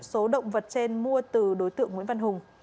số động vật trên mua từ đối tượng nguyễn văn hùng